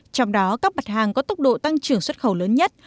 trong đó các mặt hàng có tốc độ tăng trưởng xuất khẩu lớn nhất